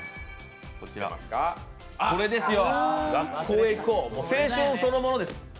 これですよ、「学校へ行こう！」青春そのものです。